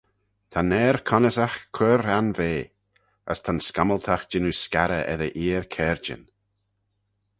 Ta'n er-connyssagh cuirr anvea, as ta'n scammyltagh jannoo scarrey eddyr eer caarjyn.